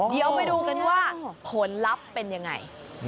เดี๋ยวไปดูกันว่าผลลัพธ์เป็นยังไง